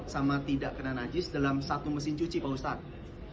sama tidak kena najis dalam satu mesin cuci pak ustadz